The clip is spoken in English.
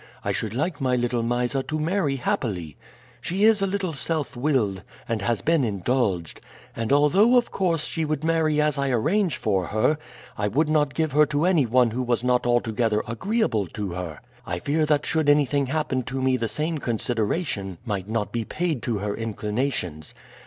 I should like my little Mysa to marry happily. She is a little self willed, and has been indulged; and although, of course, she would marry as I arrange for her, I would not give her to any one who was not altogether agreeable to her. I fear that should anything happen to me the same consideration might not be paid to her inclinations.